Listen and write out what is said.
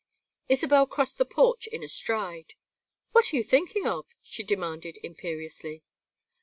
Isabel crossed the porch in a stride. "What are you thinking of?" she demanded, imperiously.